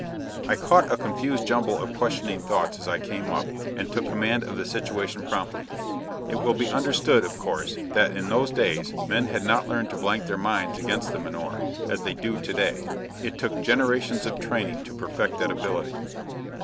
I caught a confused jumble of questioning thoughts as I came up, and took command of the situation promptly. It will be understood, of course, that in those days men had not learned to blank their minds against the menore, as they do to day. It took generations of training to perfect that ability.